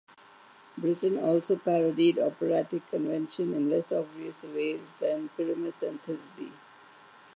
Britten also parodied operatic convention in less obvious ways than "Pyramus and Thisbe".